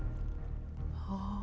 kok nomor ini telfon aku terus ya